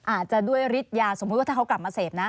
อาจจะด้วยฤทธิ์ยาสมมุติว่าถ้าเขากลับมาเสพนะ